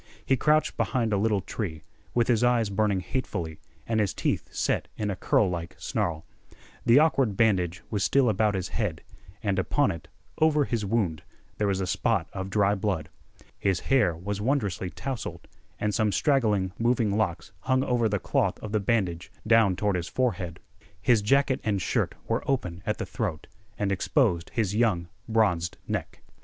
He crouched behind a little tree, with his eyes burning hatefully and his teeth set in a curlike snarl. The awkward bandage was still about his head, and upon it, over his wound, there was a spot of dry blood. His hair was wondrously tousled, and some straggling, moving locks hung over the cloth of the bandage down toward his forehead. His jacket and shirt were open at the throat, and exposed his young bronzed neck.